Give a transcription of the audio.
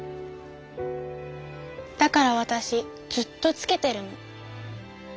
だからわたしずっとつけてるの。